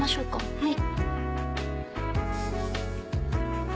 はい。